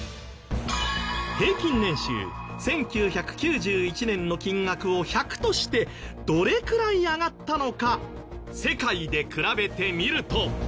平均年収１９９１年の金額を１００としてどれくらい上がったのか世界で比べてみると。